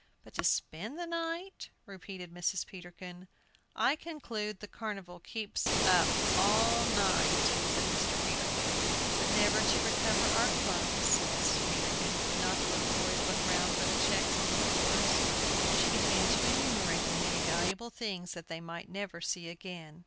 "But to spend the night," repeated Mrs. Peterkin. "I conclude the Carnival keeps up all night," said Mr. Peterkin. "But never to recover our cloaks," said Mrs. Peterkin; "could not the little boys look round for the checks on the floors?" She began to enumerate the many valuable things that they might never see again.